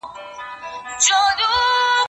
زه به سبا د لغتونو زده کړه کوم..